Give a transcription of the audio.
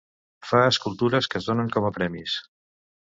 Fa escultures que es donen com a premis.